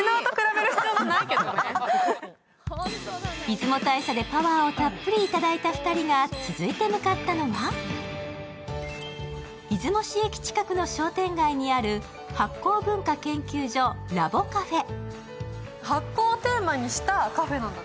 出雲大社でパワーをたっぷりいただいた２人が続いて向かったのは出雲市駅近くの商店街にある醗酵文化研究所・ラボカフェ。